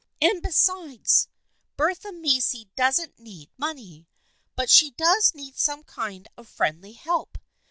And besides, Bertha Macy doesn't need money, but she does need some kind of friendly help.